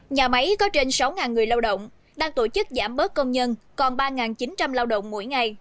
nhà máy có trên sáu người lao động đang tổ chức giảm bớt công nhân còn ba chín trăm linh lao động mỗi ngày